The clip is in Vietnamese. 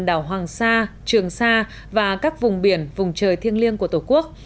đảo hoàng sa trường sa và các vùng biển vùng trời thiêng liêng của tổ quốc